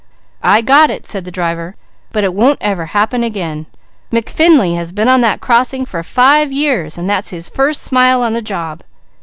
"I got it!" said the driver. "But it won't ever happen again. McFinley has been on that crossing for five years and that's his first smile on the job."